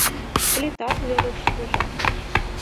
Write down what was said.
Плитат верыштыжак.